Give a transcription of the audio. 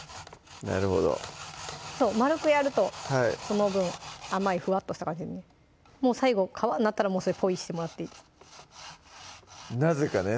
なるほど円くやるとその分甘いふわっと感じに最後皮になったらもうそれポイしてもらってなぜかね